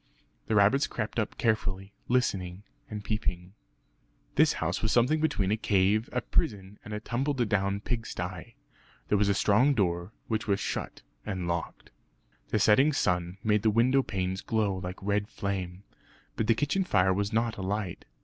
The rabbits crept up carefully, listening and peeping. This house was something between a cave, a prison, and a tumbledown pig stye. There was a strong door, which was shut and locked. The setting sun made the window panes glow like red flame; but the kitchen fire was not alight.